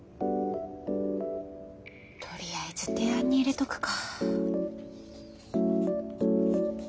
とりあえず提案に入れとくか。